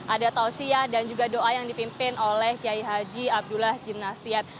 ada tausiyah dan juga doa yang dipimpin oleh kiai haji abdullah jimnastian